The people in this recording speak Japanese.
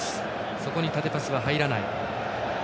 そこに縦パスは入らない。